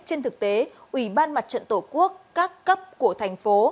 trên thực tế ủy ban mặt trận tổ quốc các cấp của thành phố